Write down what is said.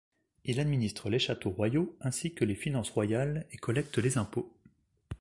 Il administre les châteaux royaux, ainsi que les finances royales, et collecte les impôts.